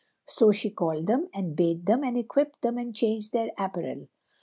So she called them and bathed them and equipped them and changed their apparel.